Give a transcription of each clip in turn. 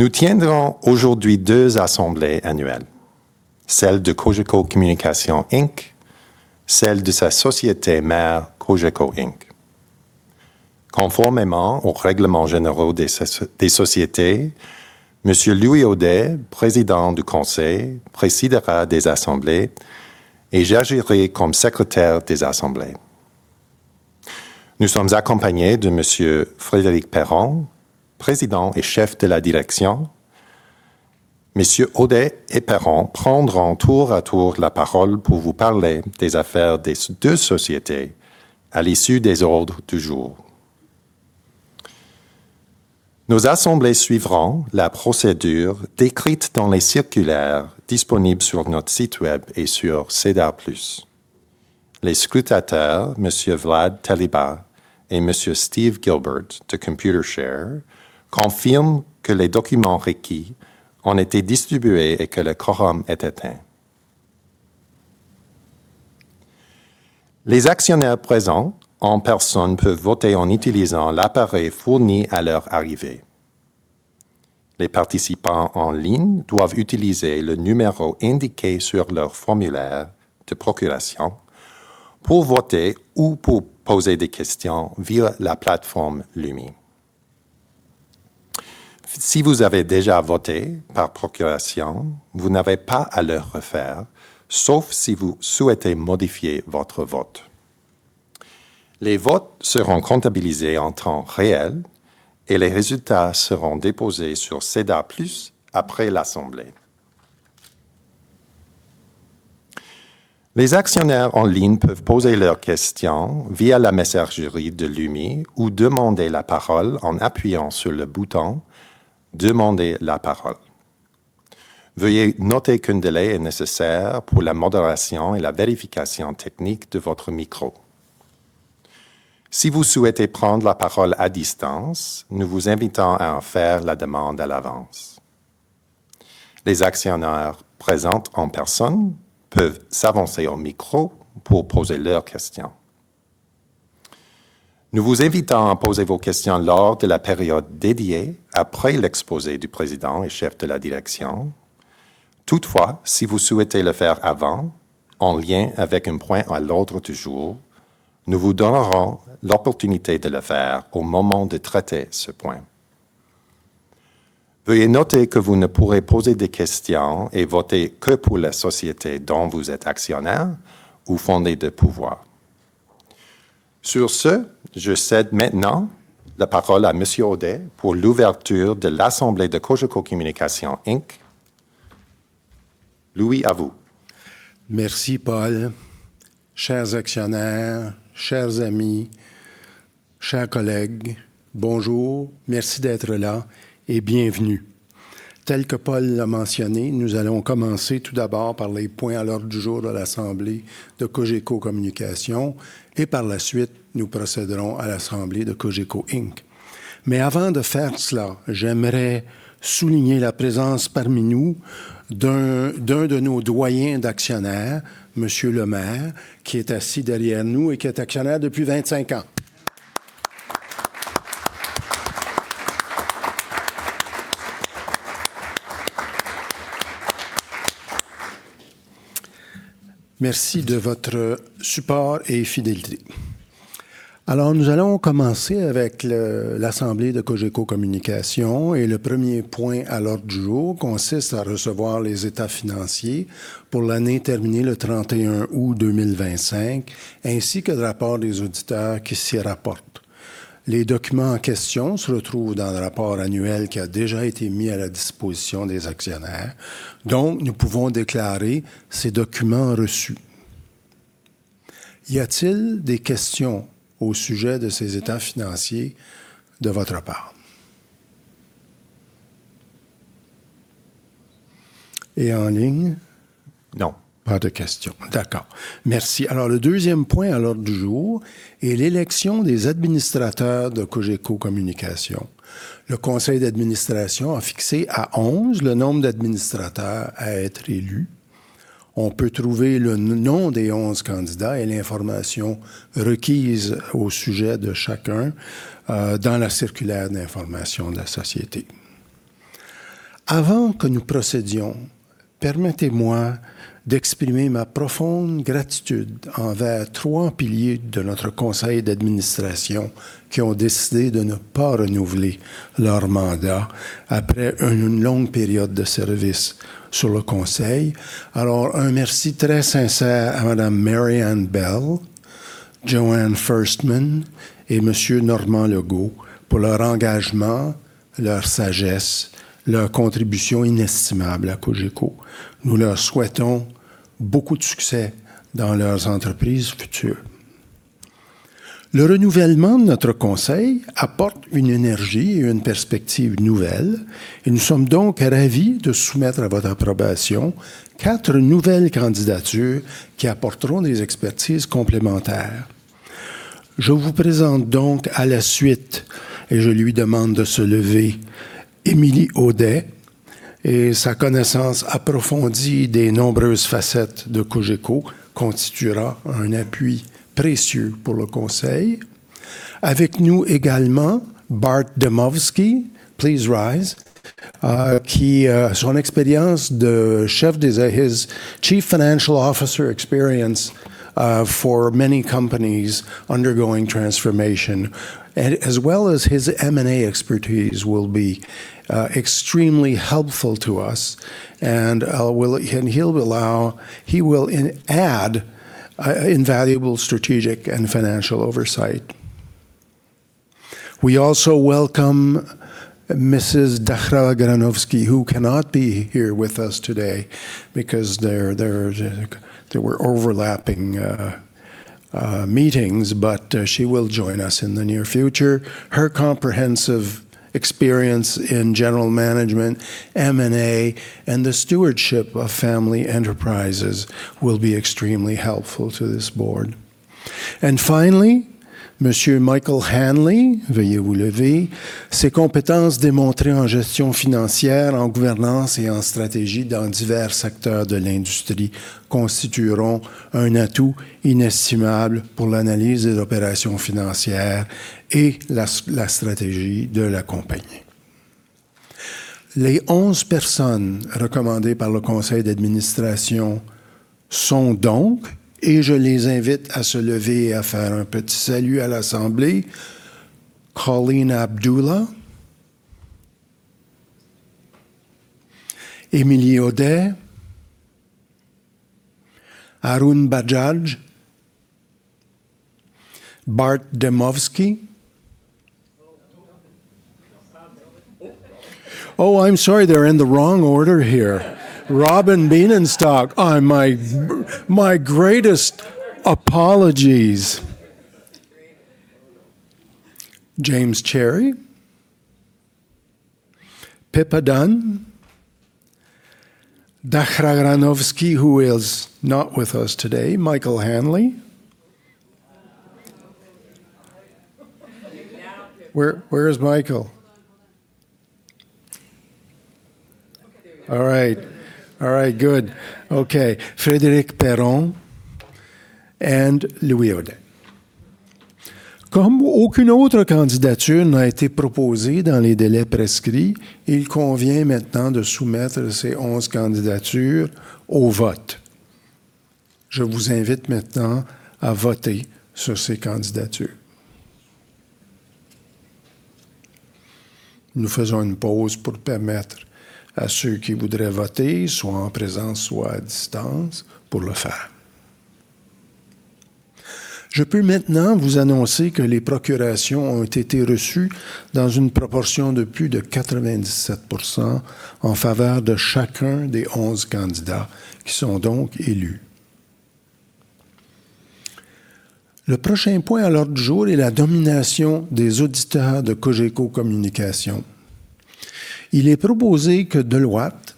Nous tiendrons aujourd'hui deux assemblées annuelles: celle de Cogeco Communications Inc., celle de sa société mère, Cogeco Inc. Conformément aux règlements généraux des sociétés, M. Louis Audet, Président du Conseil, présidera des assemblées et j'agirai comme Secrétaire des assemblées. Nous sommes accompagnés de M. Frédéric Perron, Président et Chef de la Direction. M. Audet et Perron prendront tour à tour la parole pour vous parler des affaires des deux sociétés à l'issue des ordres du jour. Nos assemblées suivront la procédure décrite dans les circulaires disponibles sur notre site Web et sur CEDAR+. Les scrutateurs, M. Vlad Tăliba et M. Steve Gilbert de ComputeShare, confirment que les documents requis ont été distribués et que le quorum est atteint. Les actionnaires présents en personne peuvent voter en utilisant l'appareil fourni à leur arrivée. Les participants en ligne doivent utiliser le numéro indiqué sur leur formulaire de procuration pour voter ou pour poser des questions via la plateforme Lumi. Si vous avez déjà voté par procuration, vous n'avez pas à le refaire, sauf si vous souhaitez modifier votre vote. Les votes seront comptabilisés en temps réel et les résultats seront déposés sur CEDAR+ après l'assemblée. Les actionnaires en ligne peuvent poser leurs questions via la messagerie de Lumi ou demander la parole en appuyant sur le bouton « Demander la parole ». Veuillez noter qu'un délai est nécessaire pour la modération et la vérification technique de votre micro. Si vous souhaitez prendre la parole à distance, nous vous invitons à en faire la demande à l'avance. Les actionnaires présents en personne peuvent s'avancer au micro pour poser leurs questions. Nous vous invitons à poser vos questions lors de la période dédiée après l'exposé du Président et Chef de la Direction. Toutefois, si vous souhaitez le faire avant, en lien avec un point à l'ordre du jour, nous vous donnerons l'opportunité de le faire au moment de traiter ce point. Veuillez noter que vous ne pourrez poser des questions et voter que pour la société dont vous êtes actionnaire ou fondé de pouvoir. Sur ce, je cède maintenant la parole à M. Audet pour l'ouverture de l'assemblée de Cogeco Communications Inc. Louis, à vous. Merci, Paul. Chers actionnaires, chers amis, chers collègues, bonjour, merci d'être là et bienvenue. Tel que Paul l'a mentionné, nous allons commencer tout d'abord par les points à l'ordre du jour de l'assemblée de Cogeco Communications et par la suite, nous procéderons à l'assemblée de Cogeco Inc. Mais avant de faire cela, j'aimerais souligner la présence parmi nous d'un de nos doyens d'actionnaires, M. Le Maire, qui est assis derrière nous et qui est actionnaire depuis 25 ans. Merci de votre support et fidélité. Nous allons commencer avec l'assemblée de Cogeco Communications et le premier point à l'ordre du jour consiste à recevoir les états financiers pour l'année terminée le 31 août 2025, ainsi que le rapport des auditeurs qui s'y rapportent. Les documents en question se retrouvent dans le rapport annuel qui a déjà été mis à la disposition des actionnaires, donc nous pouvons déclarer ces documents reçus. Y a-t-il des questions au sujet de ces états financiers de votre part? Et en ligne? No. Pas de questions. D'accord. Merci. Alors, le deuxième point à l'ordre du jour est l'élection des administrateurs de Cogeco Communications. Le conseil d'administration a fixé à 11 le nombre d'administrateurs à être élus. On peut trouver le nom des 11 candidats et l'information requise au sujet de chacun dans la circulaire d'information de la société. Avant que nous procédions, permettez-moi d'exprimer ma profonde gratitude envers trois piliers de notre conseil d'administration qui ont décidé de ne pas renouveler leur mandat après une longue période de service sur le conseil. Alors, un merci très sincère à Mme Maryanne Bell, Joanne Firstman et M. Normand Legault pour leur engagement, leur sagesse, leur contribution inestimable à Cogeco. Nous leur souhaitons beaucoup de succès dans leurs entreprises futures. Le renouvellement de notre conseil apporte une énergie et une perspective nouvelle, et nous sommes donc ravis de soumettre à votre approbation quatre nouvelles candidatures qui apporteront des expertises complémentaires. Je vous présente donc à la suite, et je lui demande de se lever, Émilie Audet, et sa connaissance approfondie des nombreuses facettes de Cogeco constituera un appui précieux pour le conseil. Avec nous également, Bart Dmowski, please rise, qui, son expérience de chef des finances pour de nombreuses entreprises en transformation, ainsi que son expertise en fusions et acquisitions, nous sera extrêmement utile, et il apportera une supervision stratégique et financière inestimable. Nous accueillons également Madame Dachra Granovski, qui ne peut être ici avec nous aujourd'hui en raison de réunions qui se chevauchaient, mais elle se joindra à nous dans un avenir proche. Her comprehensive experience in general management, M&A, and the stewardship of family enterprises will be extremely helpful to this board. And finally, Monsieur Michael Hanley, veuillez vous lever. Ses compétences démontrées en gestion financière, en gouvernance et en stratégie dans divers secteurs de l'industrie constitueront un atout inestimable pour l'analyse et l'opération financière et la stratégie de la compagnie. Les 11 personnes recommandées par le conseil d'administration sont donc, et je les invite à se lever et à faire un petit salut à l'assemblée, Colleen Abdullah, Émilie Audet, Harun Bajaj, Bart Dmowski. I'm sorry, they're in the wrong order here. Robin Bienenstock, my greatest apologies. James Cherry, Pippa Dunn, Dachra Granovski, who is not with us today, Michael Hanley. Where is Michael? All right. All right, good. Okay. Frédéric Perron et Louis Audet. Comme aucune autre candidature n'a été proposée dans les délais prescrits, il convient maintenant de soumettre ces 11 candidatures au vote. Je vous invite maintenant à voter sur ces candidatures. Nous faisons une pause pour permettre à ceux qui voudraient voter, soit en présence, soit à distance, pour le faire. Je peux maintenant vous annoncer que les procurations ont été reçues dans une proportion de plus de 97% en faveur de chacun des 11 candidats qui sont donc élus. Le prochain point à l'ordre du jour est la nomination des auditeurs de Cogeco Communications. Il est proposé que Deloitte,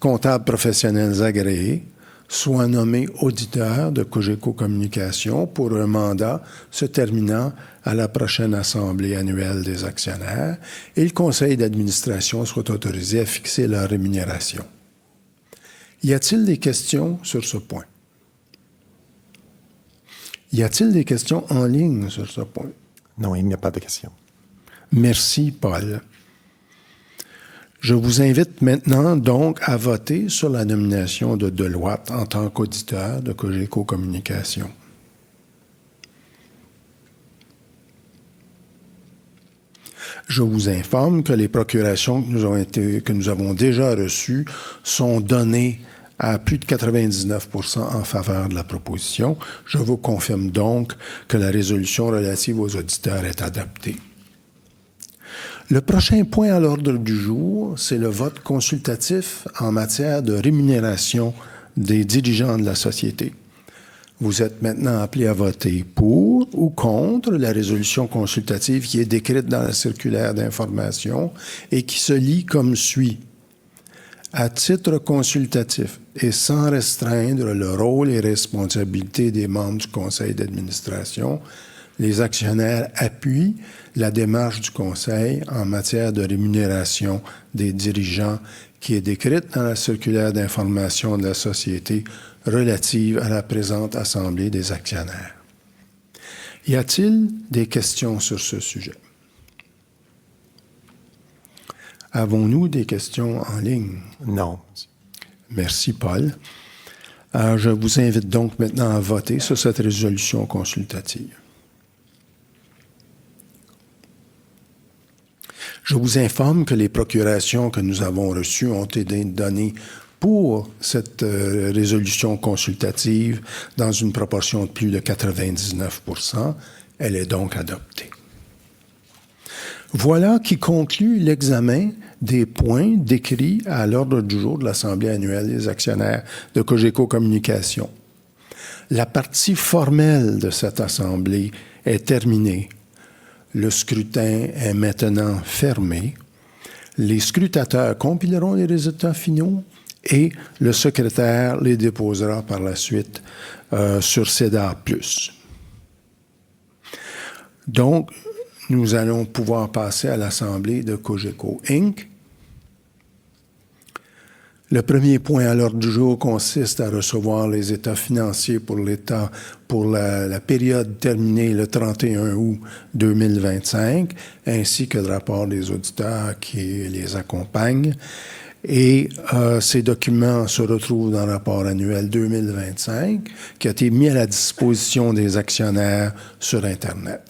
comptables professionnels agréés, soient nommés auditeurs de Cogeco Communications pour un mandat se terminant à la prochaine assemblée annuelle des actionnaires et le conseil d'administration soit autorisé à fixer leur rémunération. Y a-t-il des questions sur ce point? Y a-t-il des questions en ligne sur ce point? Non, il n'y a pas de questions. Merci, Paul. Je vous invite maintenant donc à voter sur la nomination de Deloitte en tant qu'auditeur de Cogeco Communications. Je vous informe que les procurations que nous avons déjà reçues sont données à plus de 99% en faveur de la proposition. Je vous confirme donc que la résolution relative aux auditeurs est adoptée. Le prochain point à l'ordre du jour, c'est le vote consultatif en matière de rémunération des dirigeants de la société. Vous êtes maintenant appelés à voter pour ou contre la résolution consultative qui est décrite dans la circulaire d'information et qui se lit comme suit: À titre consultatif et sans restreindre le rôle et responsabilités des membres du conseil d'administration, les actionnaires appuient la démarche du conseil en matière de rémunération des dirigeants qui est décrite dans la circulaire d'information de la société relative à la présente assemblée des actionnaires. Y a-t-il des questions sur ce sujet? Avons-nous des questions en ligne? No. Merci, Paul. Je vous invite donc maintenant à voter sur cette résolution consultative. Je vous informe que les procurations que nous avons reçues ont été données pour cette résolution consultative dans une proportion de plus de 99%. Elle est donc adoptée. Voilà qui conclut l'examen des points décrits à l'ordre du jour de l'assemblée annuelle des actionnaires de Cogeco Communications. La partie formelle de cette assemblée est terminée. Le scrutin est maintenant fermé. Les scrutateurs compileront les résultats finaux et le secrétaire les déposera par la suite sur CEDAR+. Nous allons pouvoir passer à l'assemblée de Cogeco Inc. Le premier point à l'ordre du jour consiste à recevoir les états financiers pour la période terminée le 31 août 2025, ainsi que le rapport des auditeurs qui les accompagnent. Et ces documents se retrouvent dans le rapport annuel 2025 qui a été mis à la disposition des actionnaires sur Internet.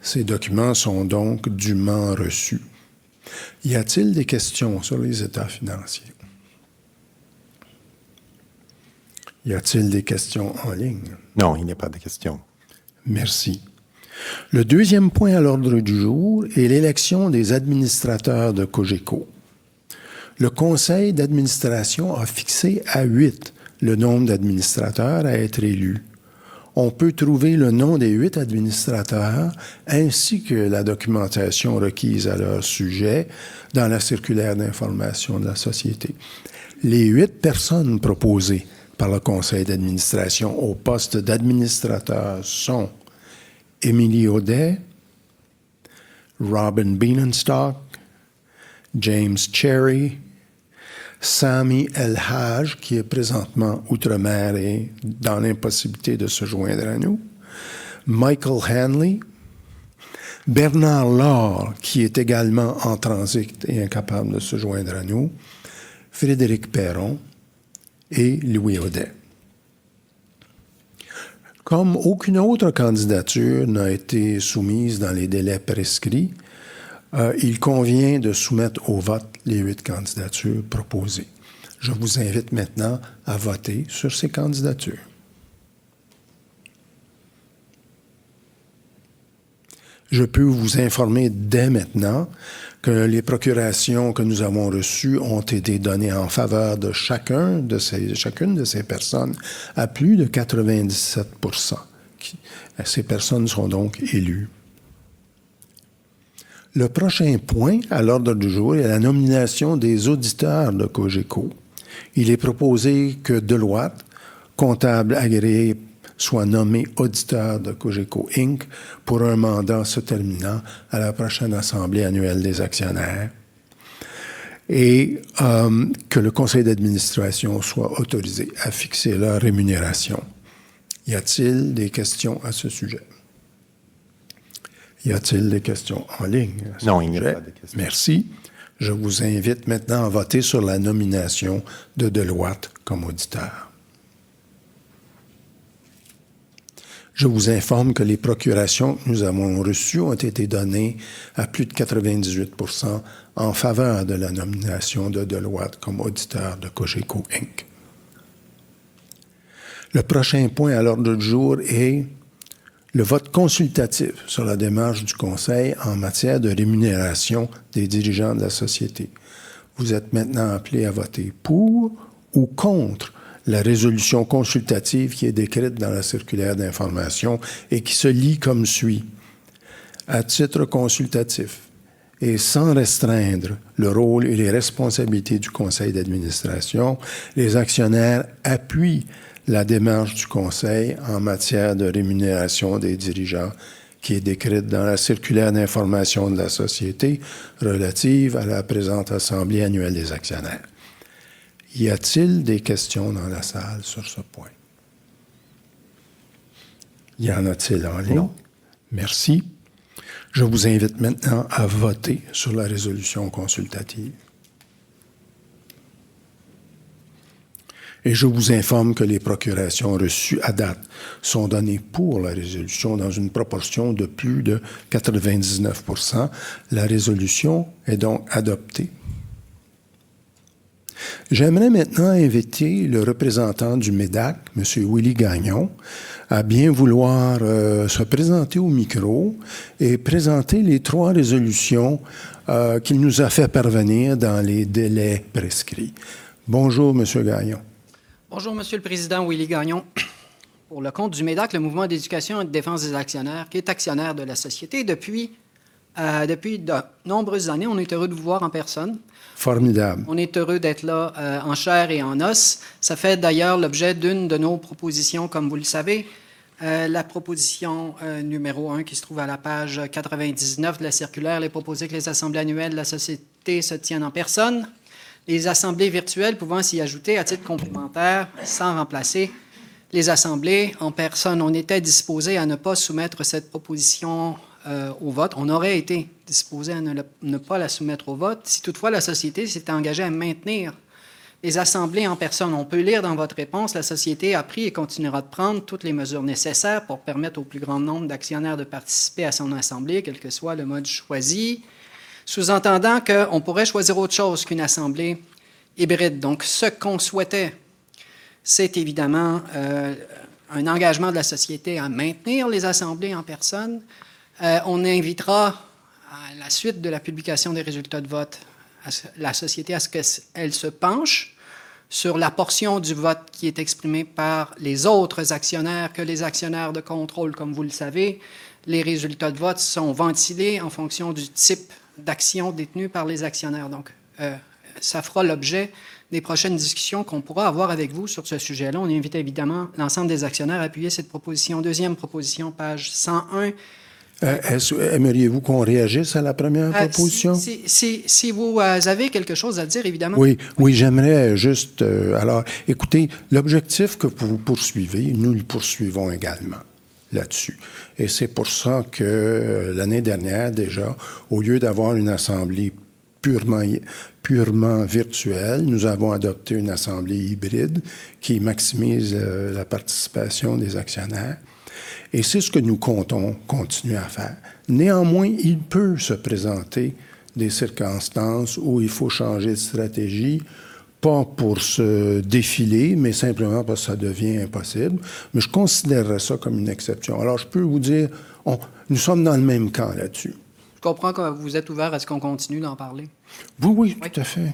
Ces documents sont donc dûment reçus. Y a-t-il des questions sur les états financiers ? Y a-t-il des questions en ligne? Non, il n'y a pas de questions. Merci. Le deuxième point à l'ordre du jour est l'élection des administrateurs de Cogeco. Le conseil d'administration a fixé à huit le nombre d'administrateurs à être élus. On peut trouver le nom des huit administrateurs ainsi que la documentation requise à leur sujet dans la circulaire d'information de la société. Les huit personnes proposées par le conseil d'administration au poste d'administrateur sont Émilie Audet, Robin Bienenstock, James Cherry, Samy Elhaj, qui est présentement outre-mer et dans l'impossibilité de se joindre à nous, Michael Hanley, Bernard Laure, qui est également en transit et incapable de se joindre à nous, Frédéric Perron et Louis Audet. Comme aucune autre candidature n'a été soumise dans les délais prescrits, il convient de soumettre au vote les huit candidatures proposées. Je vous invite maintenant à voter sur ces candidatures. Je peux vous informer dès maintenant que les procurations que nous avons reçues ont été données en faveur de chacune de ces personnes à plus de 97%. Ces personnes sont donc élues. Le prochain point à l'ordre du jour est la nomination des auditeurs de Cogeco. Il est proposé que Deloitte, comptable agréé, soit nommé auditeur de Cogeco Inc. pour un mandat se terminant à la prochaine assemblée annuelle des actionnaires et que le conseil d'administration soit autorisé à fixer leur rémunération. Y a-t-il des questions à ce sujet? Y a-t-il des questions en ligne? Non, il n'y a pas de questions. Merci. Je vous invite maintenant à voter sur la nomination de Deloitte comme auditeur. Je vous informe que les procurations que nous avons reçues ont été données à plus de 98% en faveur de la nomination de Deloitte comme auditeur de Cogeco Inc. Le prochain point à l'ordre du jour est le vote consultatif sur la démarche du conseil en matière de rémunération des dirigeants de la société. Vous êtes maintenant appelés à voter pour ou contre la résolution consultative qui est décrite dans la circulaire d'information et qui se lit comme suit: À titre consultatif et sans restreindre le rôle et les responsabilités du conseil d'administration, les actionnaires appuient la démarche du conseil en matière de rémunération des dirigeants qui est décrite dans la circulaire d'information de la société relative à la présente assemblée annuelle des actionnaires. Y a-t-il des questions dans la salle sur ce point? Y en a-t-il? No. Merci. Je vous invite maintenant à voter sur la résolution consultative. Et je vous informe que les procurations reçues à date sont données pour la résolution dans une proportion de plus de 99%. La résolution est donc adoptée. J'aimerais maintenant inviter le représentant du MEDAC, Monsieur Willy Gagnon, à bien vouloir se présenter au micro et présenter les trois résolutions qu'il nous a fait parvenir dans les délais prescrits. Bonjour, Monsieur Gagnon. Bonjour, Monsieur le Président Willy Gagnon. Pour le compte du MEDAC, le Mouvement d'éducation et de défense des actionnaires, qui est actionnaire de la société depuis de nombreuses années, nous sommes heureux de vous voir en personne. Formidable. On est heureux d'être là en chair et en os. Ça fait d'ailleurs l'objet d'une de nos propositions, comme vous le savez. La proposition numéro un, qui se trouve à la page 99 de la circulaire, elle est proposée que les assemblées annuelles de la société se tiennent en personne. Les assemblées virtuelles pouvant s'y ajouter à titre complémentaire, sans remplacer les assemblées en personne. On était disposé à ne pas soumettre cette proposition au vote. On aurait été disposé à ne pas la soumettre au vote, si toutefois la société s'était engagée à maintenir les assemblées en personne. On peut lire dans votre réponse: « La société a pris et continuera de prendre toutes les mesures nécessaires pour permettre au plus grand nombre d'actionnaires de participer à son assemblée, quel que soit le mode choisi. » Sous-entendant qu'on pourrait choisir autre chose qu'une assemblée hybride. Donc, ce qu'on souhaitait, c'est évidemment un engagement de la société à maintenir les assemblées en personne. On invitera, à la suite de la publication des résultats de vote, la société à ce qu'elle se penche sur la portion du vote qui est exprimée par les autres actionnaires que les actionnaires de contrôle. Comme vous le savez, les résultats de vote sont ventilés en fonction du type d'actions détenues par les actionnaires. Ça fera l'objet des prochaines discussions qu'on pourra avoir avec vous sur ce sujet-là. On invite évidemment l'ensemble des actionnaires à appuyer cette proposition. Deuxième proposition, page 101. Aimeriez-vous qu'on réagisse à la première proposition? Si vous avez quelque chose à dire, évidemment. Oui, j'aimerais juste... Alors, écoutez, l'objectif que vous poursuivez, nous le poursuivons également là-dessus. Et c'est pour ça que l'année dernière, déjà, au lieu d'avoir une assemblée purement virtuelle, nous avons adopté une assemblée hybride qui maximise la participation des actionnaires. Et c'est ce que nous comptons continuer à faire. Néanmoins, il peut se présenter des circonstances où il faut changer de stratégie, pas pour se défiler, mais simplement parce que ça devient impossible. Mais je considérerais ça comme une exception. Alors, je peux vous dire, nous sommes dans le même camp là-dessus. Je comprends que vous êtes ouvert à ce qu'on continue d'en parler. Oui, oui, tout à fait.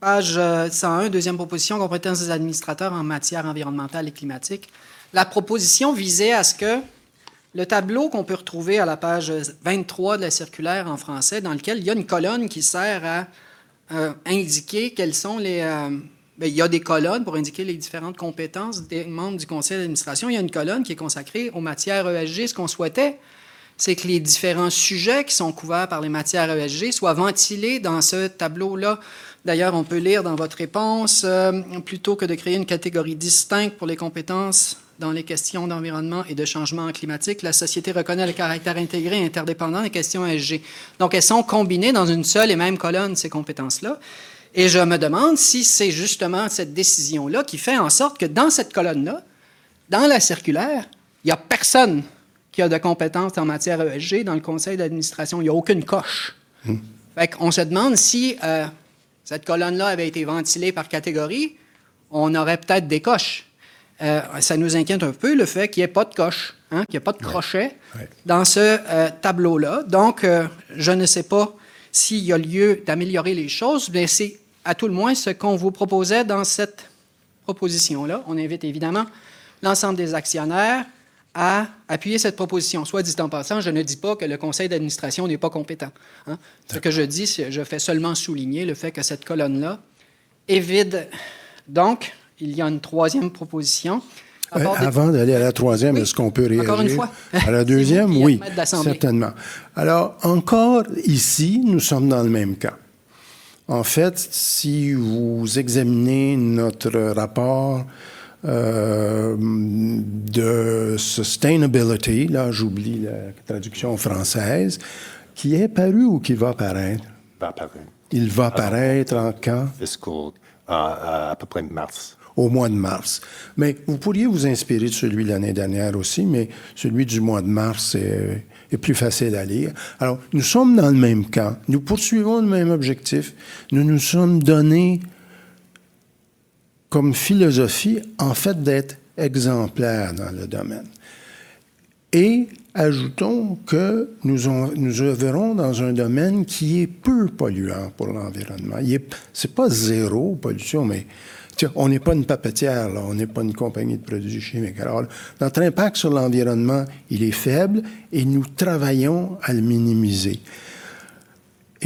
Page 101, deuxième proposition, compétences des administrateurs en matière environnementale et climatique. La proposition visait à ce que le tableau qu'on peut retrouver à la page 23 de la circulaire en français, dans lequel il y a une colonne qui sert à indiquer quelles sont les... Il y a des colonnes pour indiquer les différentes compétences des membres du conseil d'administration. Il y a une colonne qui est consacrée aux matières ESG. Ce qu'on souhaitait, c'est que les différents sujets qui sont couverts par les matières ESG soient ventilés dans ce tableau-là. D'ailleurs, on peut lire dans votre réponse: « Plutôt que de créer une catégorie distincte pour les compétences dans les questions d'environnement et de changement climatique, la société reconnaît le caractère intégré et interdépendant des questions ESG. » Donc, elles sont combinées dans une seule et même colonne, ces compétences-là. Et je me demande si c'est justement cette décision-là qui fait en sorte que dans cette colonne-là, dans la circulaire, il n'y a personne qui a de compétences en matière ESG dans le conseil d'administration. Il n'y a aucune coche. On se demande si cette colonne-là avait été ventilée par catégorie, on aurait peut-être des coches. Ça nous inquiète un peu le fait qu'il n'y ait pas de coches, qu'il n'y ait pas de crochets dans ce tableau-là. Donc, je ne sais pas s'il y a lieu d'améliorer les choses, mais c'est à tout le moins ce qu'on vous proposait dans cette proposition-là. On invite évidemment l'ensemble des actionnaires à appuyer cette proposition. Soit dit en passant, je ne dis pas que le conseil d'administration n'est pas compétent. Ce que je dis, je fais seulement souligner le fait que cette colonne-là est vide. Donc, il y a une troisième proposition. Avant d'aller à la troisième, est-ce qu'on peut réagir? Encore une fois. À la deuxième? Oui. Certainement. Alors, encore ici, nous sommes dans le même camp. En fait, si vous examinez notre rapport de durabilité, là, j'oublie la traduction française, qui est paru ou qui va paraître? Il va paraître. Il va paraître quand? Fiscal. À peu près mars. Au mois de mars. Mais vous pourriez vous inspirer de celui de l'année dernière aussi, mais celui du mois de mars est plus facile à lire. Alors, nous sommes dans le même camp. Nous poursuivons le même objectif. Nous nous sommes donné comme philosophie, en fait, d'être exemplaires dans le domaine. Et ajoutons que nous œuvrons dans un domaine qui est peu polluant pour l'environnement. Ce n'est pas zéro pollution, mais on n'est pas une papetière, là, on n'est pas une compagnie de produits chimiques. Alors, notre impact sur l'environnement, il est faible et nous travaillons à le minimiser.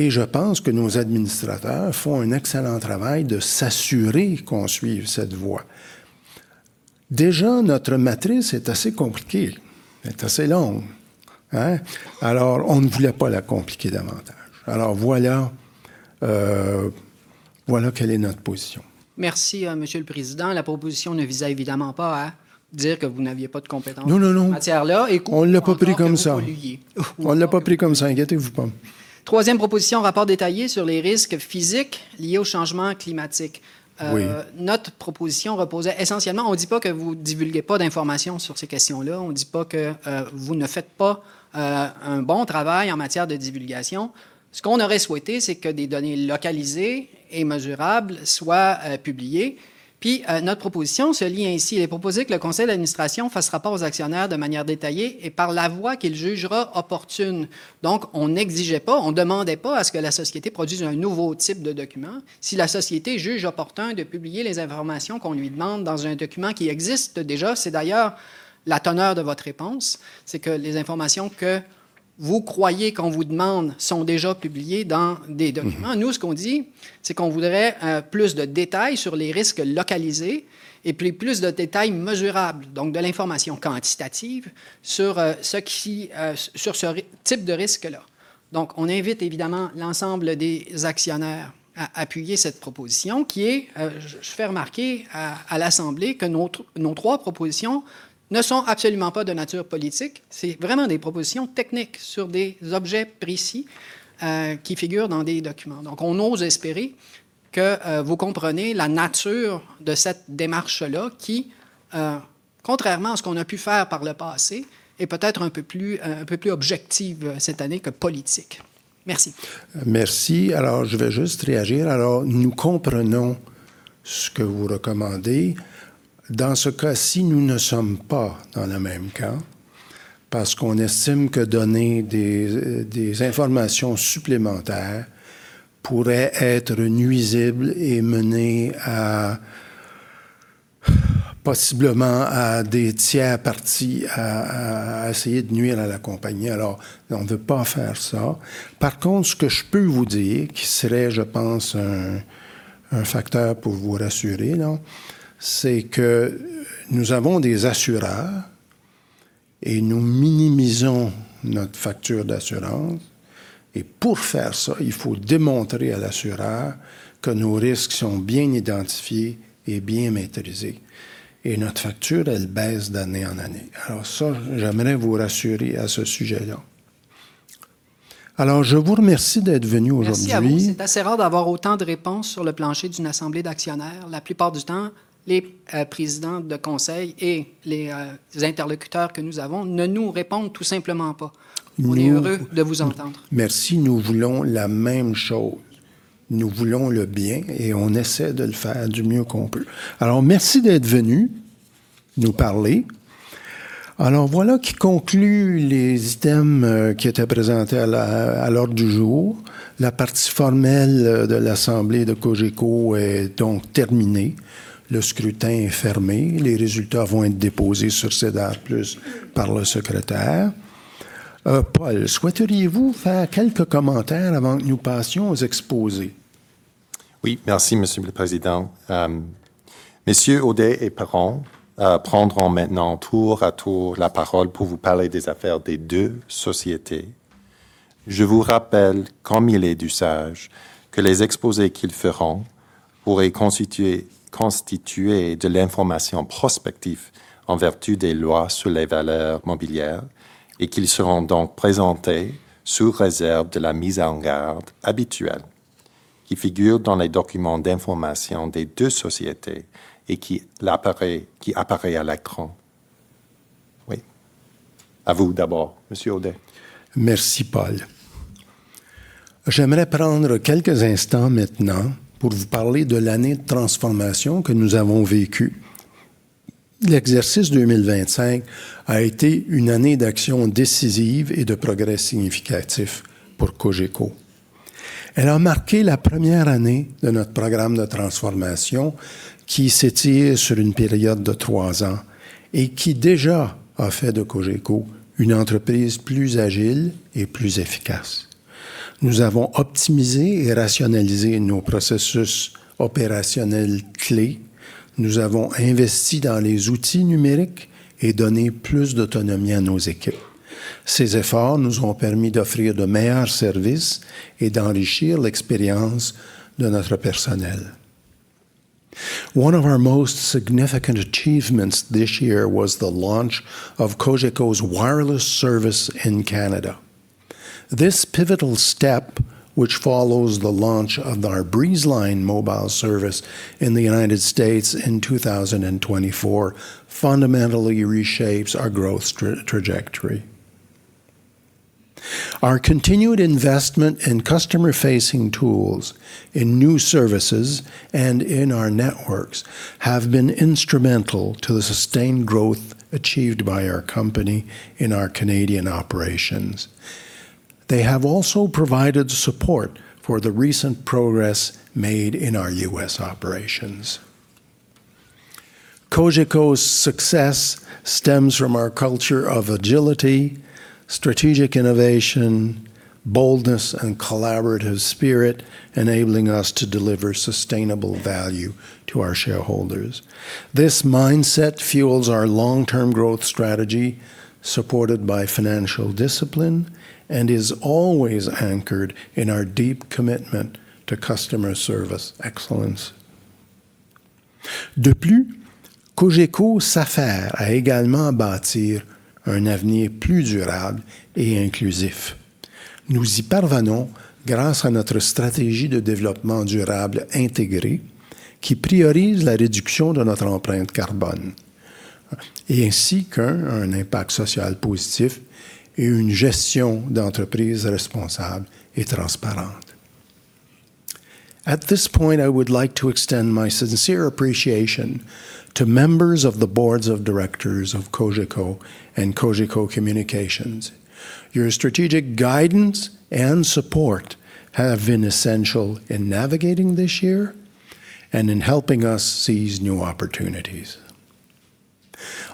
Et je pense que nos administrateurs font un excellent travail de s'assurer qu'on suive cette voie. Déjà, notre matrice est assez compliquée, elle est assez longue. Alors, on ne voulait pas la compliquer davantage. Alors, voilà quelle est notre position. Merci, Monsieur le Président. La proposition ne visait évidemment pas à dire que vous n'aviez pas de compétences en la matière. Non, non, non. On ne l'a pas prise comme ça. On ne l'a pas prise comme ça. Inquiétez-vous pas. Troisième proposition, rapport détaillé sur les risques physiques liés aux changements climatiques. Oui. Notre proposition reposait essentiellement... On ne dit pas que vous ne divulguez pas d'informations sur ces questions-là. On ne dit pas que vous ne faites pas un bon travail en matière de divulgation. Ce qu'on aurait souhaité, c'est que des données localisées et mesurables soient publiées. Puis, notre proposition se lit ainsi: « Il est proposé que le conseil d'administration fasse rapport aux actionnaires de manière détaillée et par la voie qu'il jugera opportune. » Donc, on n'exigeait pas, on ne demandait pas à ce que la société produise un nouveau type de document. Si la société juge opportun de publier les informations qu'on lui demande dans un document qui existe déjà, c'est d'ailleurs la teneur de votre réponse, c'est que les informations que vous croyez qu'on vous demande sont déjà publiées dans des documents. Nous, ce qu'on dit, c'est qu'on voudrait plus de détails sur les risques localisés et puis plus de détails mesurables, donc de l'information quantitative sur ce type de risque-là. Donc, on invite évidemment l'ensemble des actionnaires à appuyer cette proposition qui est, je fais remarquer à l'assemblée, que nos trois propositions ne sont absolument pas de nature politique. C'est vraiment des propositions techniques sur des objets précis qui figurent dans des documents. Donc, on ose espérer que vous comprenez la nature de cette démarche-là qui, contrairement à ce qu'on a pu faire par le passé, est peut-être un peu plus objective cette année que politique. Merci. Merci. Alors, je vais juste réagir. Alors, nous comprenons ce que vous recommandez. Dans ce cas-ci, nous ne sommes pas dans le même camp parce qu'on estime que donner des informations supplémentaires pourrait être nuisible et mener possiblement à des tiers parties à essayer de nuire à la compagnie. Alors, on ne veut pas faire ça. Par contre, ce que je peux vous dire, qui serait, je pense, un facteur pour vous rassurer, c'est que nous avons des assureurs et nous minimisons notre facture d'assurance. Et pour faire ça, il faut démontrer à l'assureur que nos risques sont bien identifiés et bien maîtrisés. Et notre facture, elle baisse d'année en année. Alors ça, j'aimerais vous rassurer à ce sujet-là. Alors, je vous remercie d'être venus aujourd'hui. C'est assez rare d'avoir autant de réponses sur le plancher d'une assemblée d'actionnaires. La plupart du temps, les présidents de conseil et les interlocuteurs que nous avons ne nous répondent tout simplement pas. On est heureux de vous entendre. Merci. Nous voulons la même chose. Nous voulons le bien et on essaie de le faire du mieux qu'on peut. Alors, merci d'être venus nous parler. Alors, voilà qui conclut les items qui étaient présentés à l'ordre du jour. La partie formelle de l'assemblée de Cogeco est donc terminée. Le scrutin est fermé. Les résultats vont être déposés sur Cédar Plus par le secrétaire. Paul, souhaiteriez-vous faire quelques commentaires avant que nous passions aux exposés? Oui, merci, Monsieur le Président. Monsieur Odet et Perron prendront maintenant tour à tour la parole pour vous parler des affaires des deux sociétés. Je vous rappelle, comme il est d'usage, que les exposés qu'ils feront pourraient constituer de l'information prospective en vertu des lois sur les valeurs mobilières et qu'ils seront donc présentés sous réserve de la mise en garde habituelle qui figure dans les documents d'information des deux sociétés et qui apparaît à l'écran. À vous d'abord, Monsieur Odet. Merci, Paul. J'aimerais prendre quelques instants maintenant pour vous parler de l'année de transformation que nous avons vécue. L'exercice 2025 a été une année d'action décisive et de progrès significatif pour Cogeco. Elle a marqué la première année de notre programme de transformation qui s'étire sur une période de trois ans et qui déjà a fait de Cogeco une entreprise plus agile et plus efficace. Nous avons optimisé et rationalisé nos processus opérationnels clés. Nous avons investi dans les outils numériques et donné plus d'autonomie à nos équipes. Ces efforts nous ont permis d'offrir de meilleurs services et d'enrichir l'expérience de notre personnel. One of our most significant achievements this year was the launch of Cogeco's wireless service in Canada. This pivotal step, which follows the launch of our BreezeLine mobile service in the United States in 2024, fundamentally reshapes our growth trajectory. Our continued investment in customer-facing tools, in new services, and in our networks have been instrumental to the sustained growth achieved by our company in our Canadian operations. They have also provided support for the recent progress made in our U.S. operations. Cogeco's success stems from our culture of agility, strategic innovation, boldness, and collaborative spirit, enabling us to deliver sustainable value to our shareholders. This mindset fuels our long-term growth strategy, supported by financial discipline, and is always anchored in our deep commitment to customer service excellence. De plus, Cogeco s'affaire à également bâtir un avenir plus durable et inclusif. Nous y parvenons grâce à notre stratégie de développement durable intégrée qui priorise la réduction de notre empreinte carbone, ainsi qu'un impact social positif et une gestion d'entreprise responsable et transparente. At this point, I would like to extend my sincere appreciation to members of the boards of directors of Cogeco and Cogeco Communications. Your strategic guidance and support have been essential in navigating this year and in helping us seize new opportunities.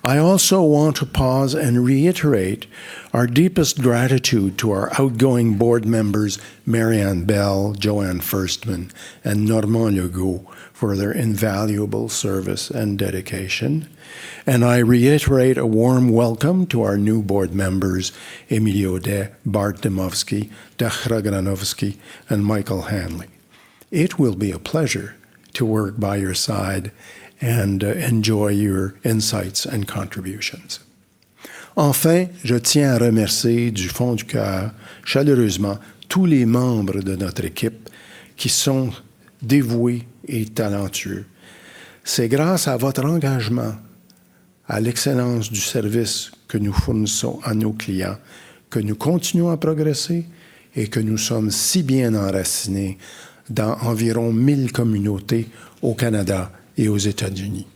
I also want to pause and reiterate our deepest gratitude to our outgoing board members, Marianne Bell, Joanne Firstman, and Norman LeGoux for their invaluable service and dedication. I reiterate a warm welcome to our new board members, Émilie Odet, Bart Dymowski, Táché Granovski, and Michael Hanley. It will be a pleasure to work by your side and enjoy your insights and contributions. Enfin, je tiens à remercier du fond du cœur, chaleureusement, tous les membres de notre équipe qui sont dévoués et talentueux. C'est grâce à votre engagement, à l'excellence du service que nous fournissons à nos clients que nous continuons à progresser et que nous sommes si bien enracinés dans environ 1 000 communautés au Canada et aux États-Unis.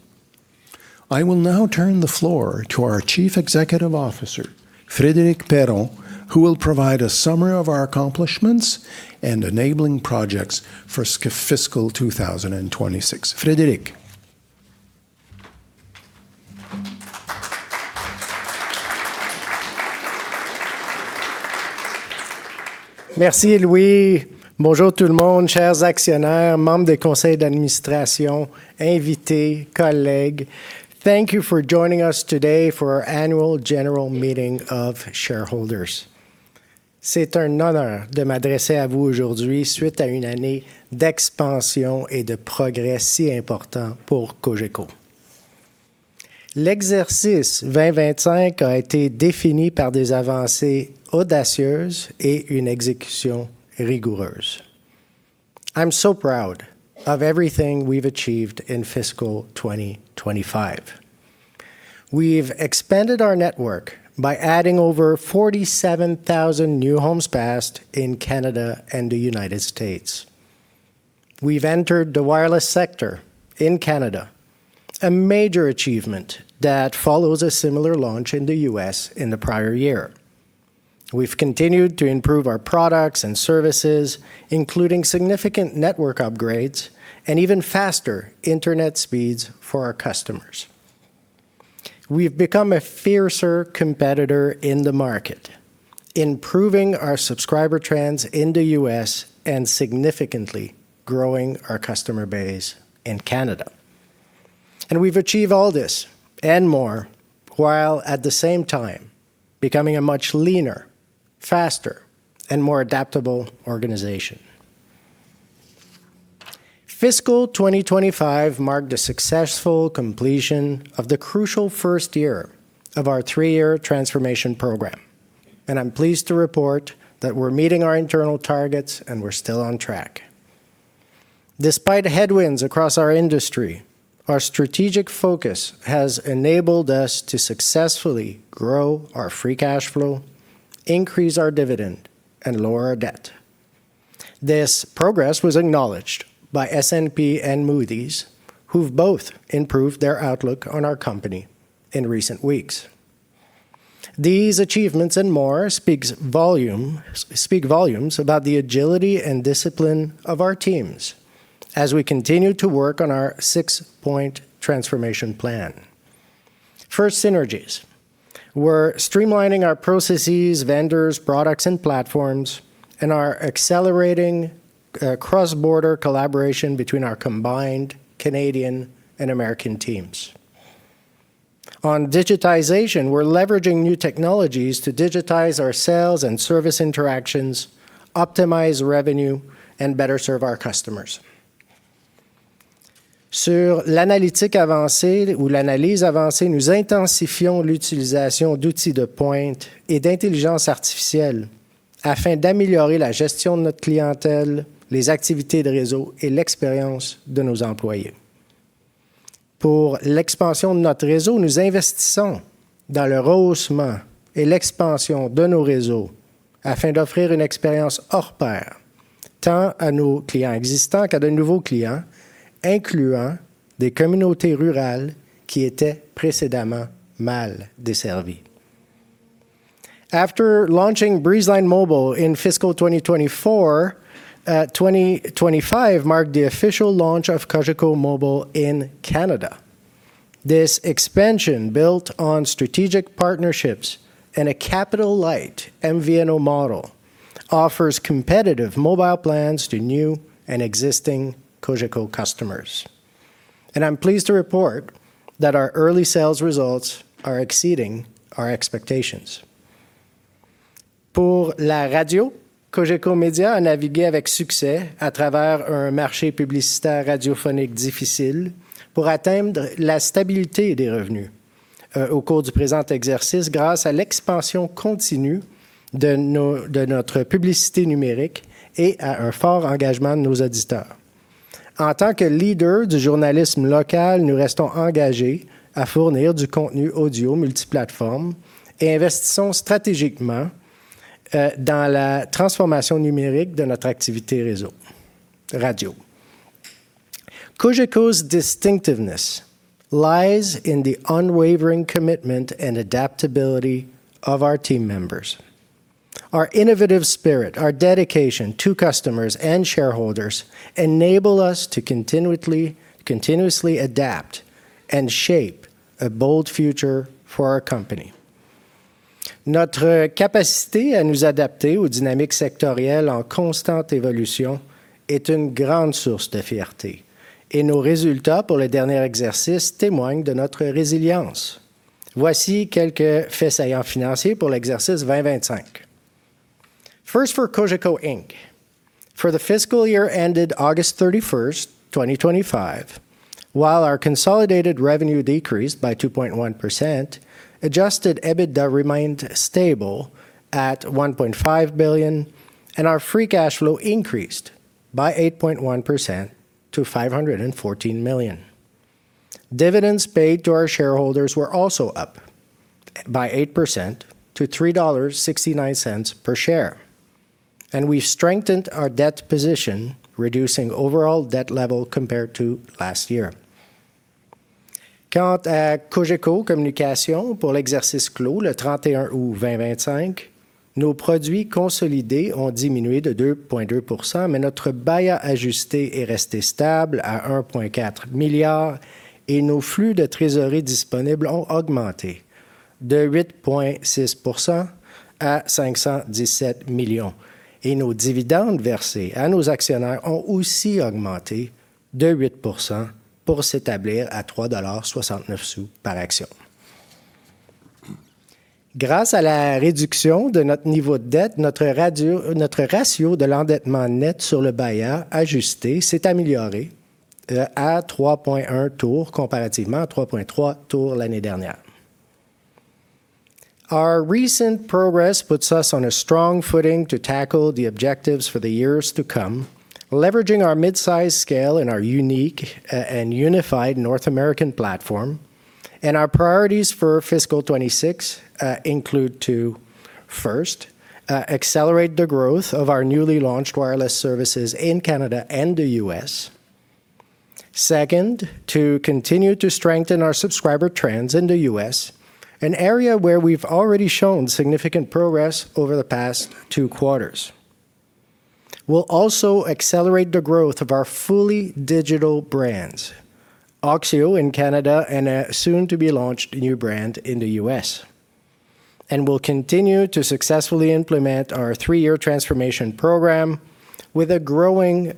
I will now turn the floor to our Chief Executive Officer, Frédéric Perron, who will provide a summary of our accomplishments and enabling projects for fiscal 2026. Frédéric. Merci, Louis. Bonjour tout le monde, chers actionnaires, membres des conseils d'administration, invités, collègues. Thank you for joining us today for our annual general meeting of shareholders. C'est un honneur de m'adresser à vous aujourd'hui suite à une année d'expansion et de progrès si importante pour Cogeco. L'exercice 2025 a été défini par des avancées audacieuses et une exécution rigoureuse. I'm so proud of everything we've achieved in fiscal 2025. We've expanded our network by adding over 47,000 new homes past in Canada and the United States. We've entered the wireless sector in Canada, a major achievement that follows a similar launch in the U.S. in the prior year. We've continued to improve our products and services, including significant network upgrades and even faster internet speeds for our customers. We've become a fiercer competitor in the market, improving our subscriber trends in the U.S. and significantly growing our customer base in Canada. We've achieved all this and more while, at the same time, becoming a much leaner, faster, and more adaptable organization. Fiscal 2025 marked a successful completion of the crucial first year of our three-year transformation program. I'm pleased to report that we're meeting our internal targets and we're still on track. Despite headwinds across our industry, our strategic focus has enabled us to successfully grow our free cash flow, increase our dividend, and lower our debt. This progress was acknowledged by S&P and Moody's, who've both improved their outlook on our company in recent weeks. These achievements and more speak volumes about the agility and discipline of our teams as we continue to work on our six-point transformation plan. First, synergies. We're streamlining our processes, vendors, products, and platforms in our accelerating cross-border collaboration between our combined Canadian and American teams. On digitization, we're leveraging new technologies to digitize our sales and service interactions, optimize revenue, and better serve our customers. Sur l'analytique avancée ou l'analyse avancée, nous intensifions l'utilisation d'outils de pointe et d'intelligence artificielle afin d'améliorer la gestion de notre clientèle, les activités de réseau et l'expérience de nos employés. Pour l'expansion de notre réseau, nous investissons dans le rehaussement et l'expansion de nos réseaux afin d'offrir une expérience hors pair, tant à nos clients existants qu'à de nouveaux clients, incluant des communautés rurales qui étaient précédemment mal desservies. After launching BreezeLine mobile in fiscal 2024, 2025 marked the official launch of Cogeco Mobile in Canada. This expansion, built on strategic partnerships and a capital-light MVNO model, offers competitive mobile plans to new and existing Cogeco customers. I'm pleased to report that our early sales results are exceeding our expectations. Pour la radio, Cogeco Media a navigué avec succès à travers un marché publicitaire radiophonique difficile pour atteindre la stabilité des revenus au cours du présent exercice grâce à l'expansion continue de notre publicité numérique et à un fort engagement de nos auditeurs. En tant que leader du journalisme local, nous restons engagés à fournir du contenu audio multiplateforme et investissons stratégiquement dans la transformation numérique de notre activité réseau radio. Cogeco's distinctiveness lies in the unwavering commitment and adaptability of our team members. Our innovative spirit, our dedication to customers and shareholders enable us to continuously adapt and shape a bold future for our company. Notre capacité à nous adapter aux dynamiques sectorielles en constante évolution est une grande source de fierté. Et nos résultats pour le dernier exercice témoignent de notre résilience. Voici quelques faits saillants financiers pour l'exercice 2025. First for Cogeco Inc. For the fiscal year ended August 31, 2025, while our consolidated revenue decreased by 2.1%, adjusted EBITDA remained stable at $1.5 billion, and our free cash flow increased by 8.1% to $514 million. Dividends paid to our shareholders were also up by 8% to $3.69 per share. We've strengthened our debt position, reducing overall debt level compared to last year. Quant à Cogeco Communications pour l'exercice clos le 31 août 2025, nos produits consolidés ont diminué de 2.2%, mais notre BAIIA ajusté est resté stable à $1.4 milliard et nos flux de trésorerie disponibles ont augmenté de 8.6% à $517 millions. Nos dividendes versés à nos actionnaires ont aussi augmenté de 8% pour s'établir à $3.69 par action. Grâce à la réduction de notre niveau de dette, notre ratio de l'endettement net sur le BAIIA ajusté s'est amélioré à 3.1 tours comparativement à 3.3 tours l'année dernière. Our recent progress puts us on a strong footing to tackle the objectives for the years to come, leveraging our mid-size scale and our unique and unified North American platform. Our priorities for fiscal 26 include to, first, accelerate the growth of our newly launched wireless services in Canada and the U.S. Second, to continue to strengthen our subscriber trends in the U.S., an area where we've already shown significant progress over the past two quarters. We'll also accelerate the growth of our fully digital brands, OXIO in Canada and a soon-to-be-launched new brand in the U.S. We'll continue to successfully implement our three-year transformation program with a growing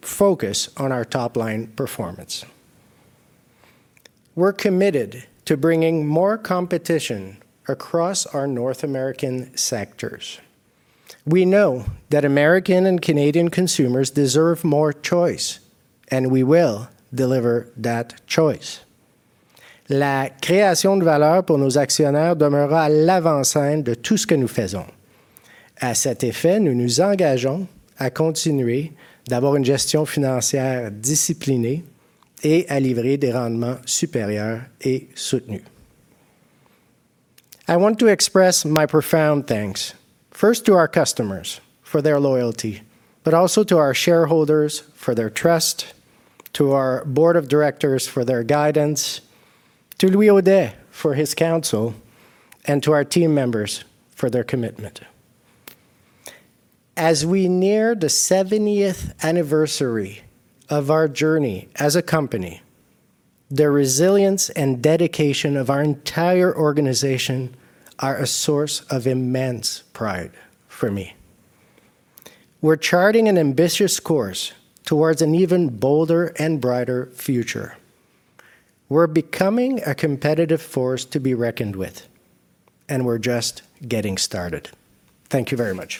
focus on our top-line performance. We're committed to bringing more competition across our North American sectors. We know that American and Canadian consumers deserve more choice, and we will deliver that choice. La création de valeur pour nos actionnaires demeurera à l'avant-scène de tout ce que nous faisons. À cet effet, nous nous engageons à continuer d'avoir une gestion financière disciplinée et à livrer des rendements supérieurs et soutenus. I want to express my profound thanks, first to our customers for their loyalty, but also to our shareholders for their trust, to our board of directors for their guidance, to Louis Odet for his counsel, and to our team members for their commitment. As we near the 70th anniversary of our journey as a company, the resilience and dedication of our entire organization are a source of immense pride for me. We're charting an ambitious course towards an even bolder and brighter future. We're becoming a competitive force to be reckoned with, and we're just getting started. Thank you very much.